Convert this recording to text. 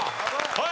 はい。